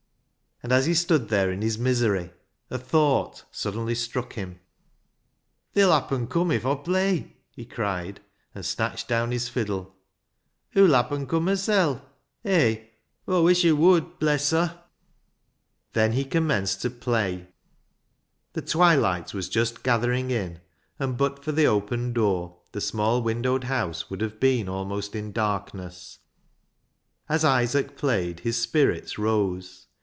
And as he stood there in his misery, a thought suddenly struck him. " They'll happen come if Aw play," he cried, and snatched down his fiddle. " Hoo'll happen come hersel'. Hay, Aw w^uish hoo wod, bless her !" Then he commenced to play. The twilight was just gathering in, and but for the open door the small windowed house would have been almost in darkness. As Isaac played, his spirits rose.